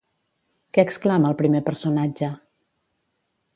Què exclama el primer personatge?